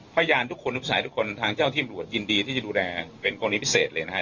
พยานทุกคนทุกสายทุกคนทางเจ้าที่ตำรวจยินดีที่จะดูแลเป็นกรณีพิเศษเลยนะฮะ